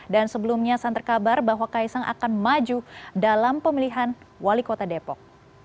sebelumnya santer kabar bahwa kaisang akan maju dalam pemilihan wali kota depok